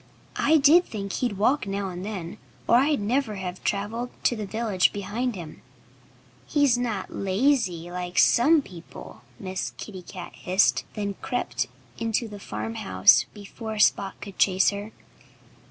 I did think he'd walk now and then, or I'd never have travelled to the village behind him." "He's not lazy, like some people," Miss Kitty Cat hissed; and then crept into the farmhouse before Spot could chase her.